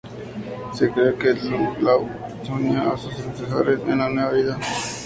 Se cree que Kung Lao se unió a sus ancestros en una nueva vida.